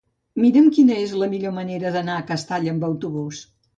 Mira'm quina és la millor manera d'anar a Castalla amb autobús.